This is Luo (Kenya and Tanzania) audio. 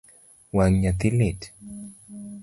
Wang’ nyathi lit?